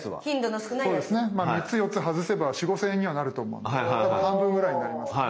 ３つ４つ外せば４，０００５，０００円にはなると思うのでたぶん半分ぐらいになりますよね。